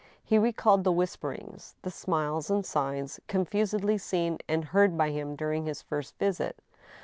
He recalled the whisperings, the smiles and signs, confusedly seen and heard by him during his first visit.